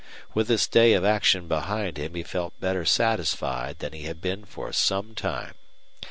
With this day of action behind him he felt better satisfied than he had been for some time.